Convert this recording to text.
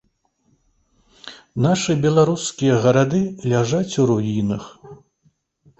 Нашы беларускія гарады ляжаць у руінах.